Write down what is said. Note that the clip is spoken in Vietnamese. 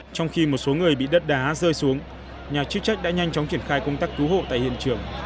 trong khi một số người bị đất đá rơi xuống nhà chức trách đã nhanh chóng triển khai công tác cứu hộ tại hiện trường